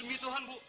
demi tuhan bu